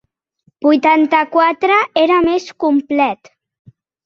Vuitanta-quatre era més complet.